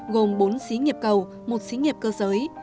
gồm bốn xí nghiệp cầu một xí nghiệp cơ giới